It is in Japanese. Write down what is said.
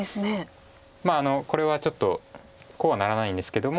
まあこれはちょっとこうはならないんですけども。